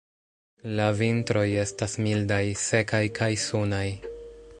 La vintroj estas mildaj, sekaj kaj sunaj.